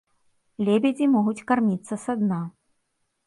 Лебедзі могуць карміцца са дна.